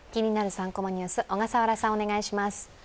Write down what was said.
３コマニュース」、小笠原さん、お願いします。